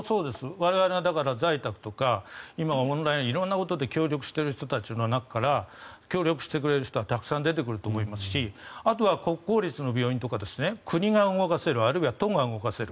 我々が在宅とか今、オンラインで協力している人たちの中から協力してくれる人はたくさん出てくると思いますしあとは国公立の病院とか国が動かせるあるいは都が動かせる。